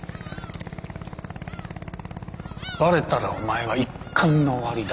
バレたらお前は一巻の終わりだ。